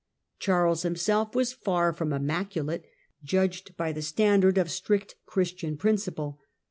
Charles himself was far from immaculate, judged by the standard of strict Christian principle.